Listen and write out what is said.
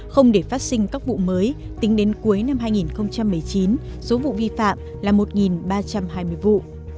không để phát sinh các vụ mới tính đến cuối năm hai nghìn một mươi chín số vụ vi phạm là một ba trăm hai mươi vụ